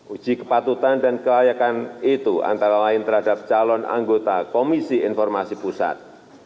uji kepatutan dan kelayakan itu antara lain terhadap calon anggota komisi informasi pusat